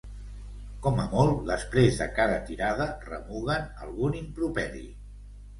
Com a molt, després de cada tirada remuguen algun improperi.